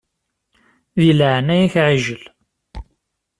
Di leɛnaya-k ɛijel!